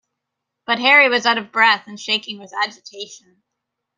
But Harry was out of breath and shaking with agitation.